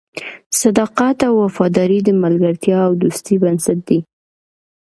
صداقت او وفاداري د ملګرتیا او دوستۍ بنسټ دی.